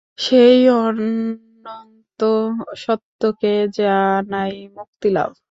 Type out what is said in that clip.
সেই অনন্ত সত্যকে জানাই মুক্তিলাভ।